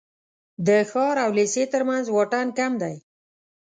د ښار او لېسې تر منځ واټن کم دی.